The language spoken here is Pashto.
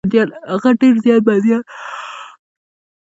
هغه ډېر زیات بندیان له ځان سره راوستلي وه.